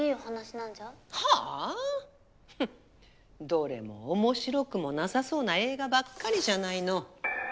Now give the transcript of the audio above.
どれも面白くもなさそうな映画ばっかりじゃないの。